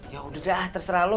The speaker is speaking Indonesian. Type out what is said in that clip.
yaudah dah terserah lo